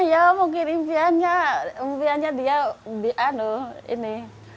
ya mungkin impiannya dia ini